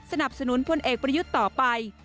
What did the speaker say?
สนับสนุนพลเอกประยุทธ์ต่อไป